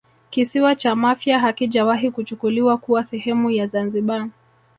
Kisiwa cha Mafia hakijawahi kuchukuliwa kuwa sehemu ya Zanzibar